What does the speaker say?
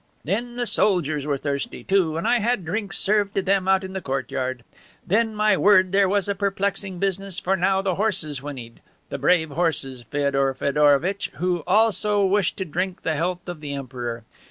Then the soldiers were thirsty, too, and I had drinks served to them out in the courtyard. Then, my word, there was a perplexing business, for now the horses whinnied. The brave horses, Feodor Feodorovitch, who also wished to drink the health of the Emperor.